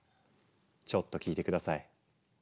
ちょっと聞いて下さい。